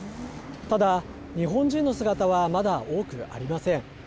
ただ、日本人の姿はまだ多くはありません。